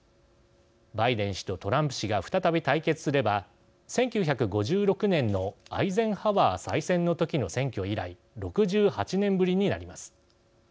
バイデン氏とトランプ氏が再び対決すれば１９５６年のアイゼンハワー再選の時の選挙以来６８年ぶりになります。